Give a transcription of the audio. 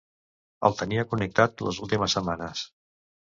El tenia connectat les últimes setmanes.